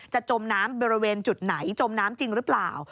จมน้ำบริเวณจุดไหนจมน้ำจริงหรือเปล่า